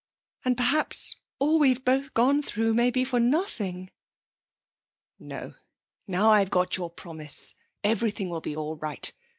And perhaps all we've both gone through may be for nothing!' 'No, now I've got your promise everything will be all right....